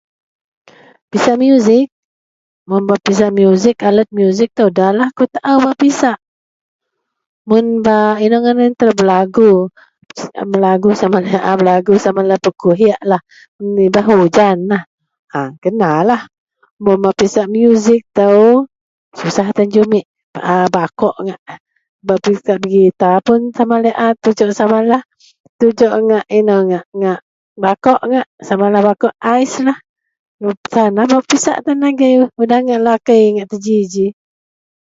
Pisak muzik, mun bak pisak muzik, alat muzik ito da lah aku tau bak pisak mun ba belagu samalah berku'hik menibah hujan a kenalah un bak pisak muzik ito susah tan jumek pa ba ko ngak bak gitar pun tujuk samalah inou laei a ngak bako ice lah ketanlah bak pisak udah ngak lakei teji.